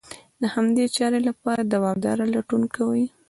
د همدې چارې لپاره دوامداره لټون کوي.